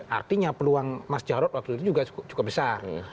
artinya peluang mas jarod waktu itu juga cukup besar